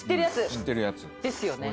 知ってるやつですよね